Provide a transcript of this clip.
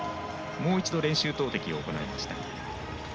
もう一度、練習投てきを行いました。